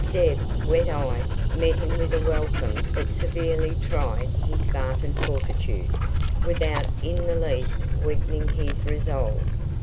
Deb, wet eyed, met him with a welcome that severely tried his Spartan fortitude, without in the least weakening his resolve.